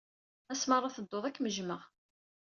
Asmi ara teddud, ad kem-jjmeɣ.